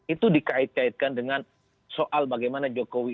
itu dikait kaitkan dengan soal bagaimana jokowi